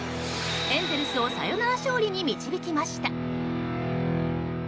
エンゼルスをサヨナラ勝利に導きました。